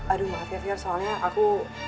aduh maaf ya fier soalnya aku